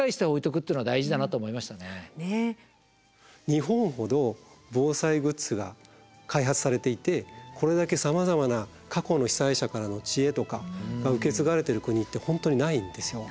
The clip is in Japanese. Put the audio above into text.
日本ほど防災グッズが開発されていてこれだけさまざまな過去の被災者からの知恵とかが受け継がれてる国って本当にないんですよ。